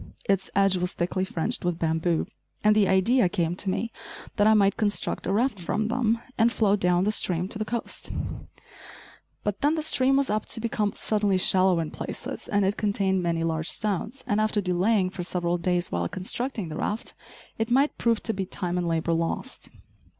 Its edge was thickly fringed with bamboo, and the idea came to me that I might construct a raft from them, and float down stream to the coast; but then, the stream was apt to become suddenly shallow in places, and it contained many large stones, and after delaying for several days while constructing the raft, it might prove to be time and labor lost.